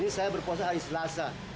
saya berpuasa hari selasa